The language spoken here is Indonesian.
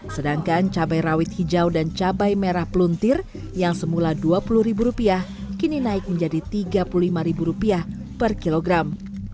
sedangkan cabai rawit hijau dan cabai merah peluntir yang semula rp dua puluh kini naik menjadi rp tiga puluh lima per kilogram